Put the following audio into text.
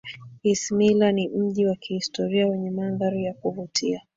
isimila ni mji wa kihistoria wenye mandhari ya kuvutia